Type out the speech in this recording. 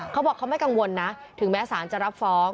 เขาบอกเขาไม่กังวลนะถึงแม้สารจะรับฟ้อง